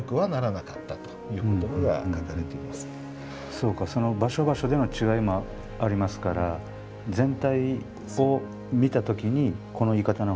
そうかその場所場所での違いもありますから全体を見た時にこの言い方のほうが。